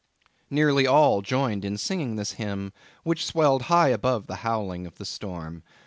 Nearly all joined in singing this hymn, which swelled high above the howling of the storm.